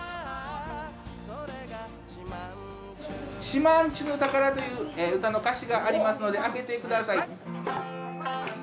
「島人ぬ宝」という歌の歌詞がありますので開けて下さい。